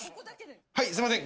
はいすいません